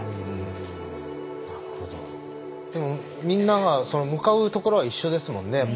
みんなが向かうところは一緒ですもんね。